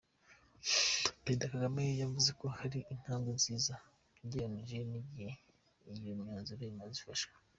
Perezida Kagame yavuze ko ari intambwe nziza ugereranije n’igihe iyo myanzuro imaze ifashwe.